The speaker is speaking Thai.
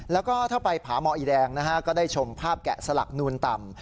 แล้วก็ถ้าไปผาหมออีแดงนะฮะก็ได้ชมภาพแกะสลักนูนต่ำ